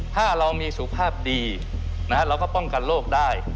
ถ้าเรามีสุขภาพดีเราก็ป้องกันโรคได้